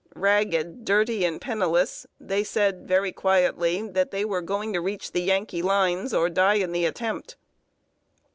Ragged, dirty, and penniless, they said, very quietly, that they were going to reach the Yankee lines, or die in the attempt.